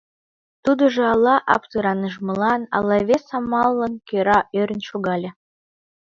Тудыжо ала аптыранымыжлан, ала вес амаллан кӧра ӧрын шогале.